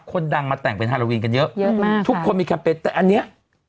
คนดังมาแต่งเป็นฮาโลวีนกันเยอะเยอะมากทุกคนมีแคมเปญแต่อันเนี้ย